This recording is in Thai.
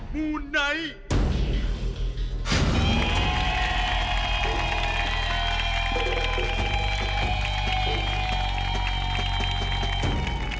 มูไนท์